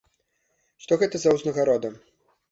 Што гэта за ўзнагарода?